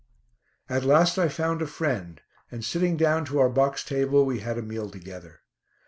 At last I found a friend, and sitting down to our box table we had a meal together.